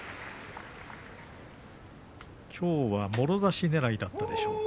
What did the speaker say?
きょうはもろ差しねらいだったでしょうか。